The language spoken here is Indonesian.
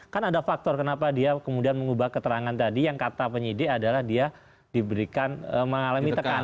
kan ada faktor kenapa dia kemudian mengubah keterangan tadi yang kata penyidik adalah dia diberikan mengalami tekan